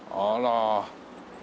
あら。